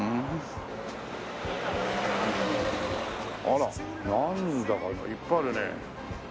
あらなんだかいっぱいあるね。